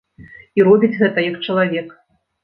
І робіць гэта як чалавек.